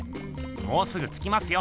もうすぐつきますよ。